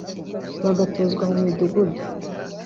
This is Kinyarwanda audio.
bagatuzwa mu midugudu